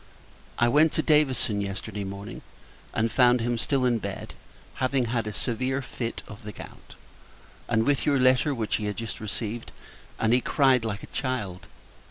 I went to Davison yesterday morning; and found him still in bed, having had a severe fit of the gout, and with your letter, which he had just received: and he cried like a child!